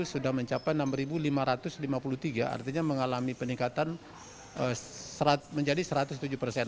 sudah mencapai enam lima ratus lima puluh tiga artinya mengalami peningkatan menjadi satu ratus tujuh persen